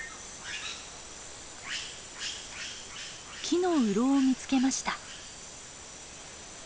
木のうろを見つけました。